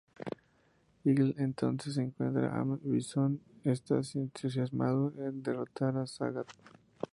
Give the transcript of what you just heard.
Eagle entonces encuentra a M. Bison está entusiasmado en derrotar a Sagat.